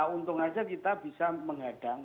untung saja kita bisa menghadang